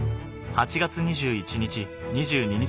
８月２１日２２日